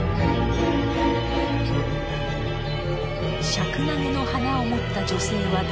シャクナゲの花を持った女性は誰なのか？